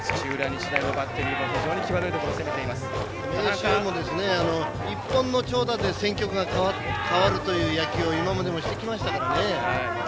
日大のバッテリーも非常に際どいところ明秀も１本の長打で戦局が変わるという野球を今までもしてきましたからね。